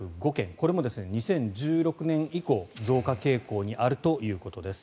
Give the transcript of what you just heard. これも２０１６年以降増加傾向にあるということです。